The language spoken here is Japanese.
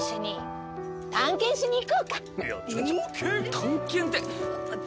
探検って。